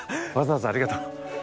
わざわざありがとう。